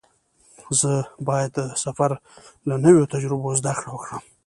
زه باید د سفر له نویو تجربو زده کړه وکړم.